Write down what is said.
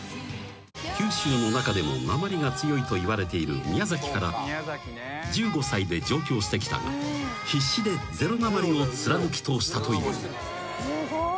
［九州の中でもなまりが強いといわれている宮崎から１５歳で上京してきたが必死でゼロなまりを貫き通したという］